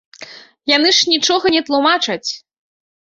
Яны ж нічога не тлумачаць!